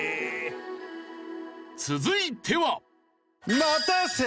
続いては。